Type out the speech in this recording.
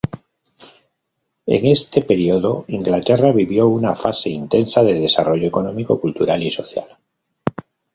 En este periodo, Inglaterra vivió una fase intensa de desarrollo económico, cultural y social.